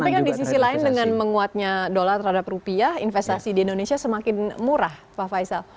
tapi kan di sisi lain dengan menguatnya dolar terhadap rupiah investasi di indonesia semakin murah pak faisal